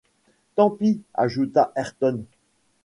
Tant pis, ajouta Ayrton.